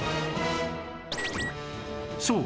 そう。